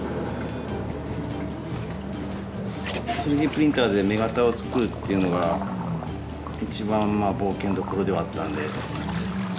３Ｄプリンターで雌型を作るっていうのが一番冒険どころではあったんで。